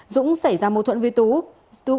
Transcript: dũng xảy ra mâu thuẫn với tú